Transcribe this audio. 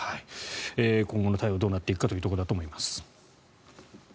今後の対応、どうなっていくかということだと思います。